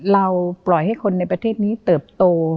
เราปล่อยให้คนในประเทศนี้เติบโต